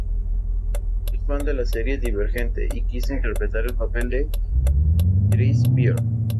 Es fan de la serie "Divergente" y quiso interpretar el papel de Tris Prior.